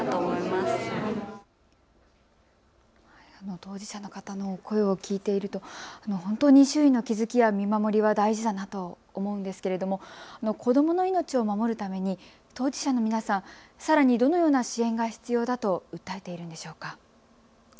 当事者の方の声を聞いていると本当に周囲の気付きや見守りは大事だなと思うんですけれども、子どもの命を守るために当事者の皆さん、さらにどのような支援が必要だと訴えているんでしょうか。